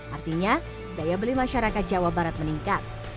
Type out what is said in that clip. artinya daya beli masyarakat jawa barat meningkat